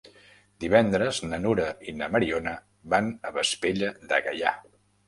Divendres na Nura i na Mariona van a Vespella de Gaià.